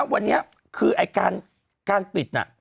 วันนี้คือการปิดน่ะ